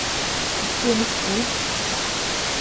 Ist dir nicht gut?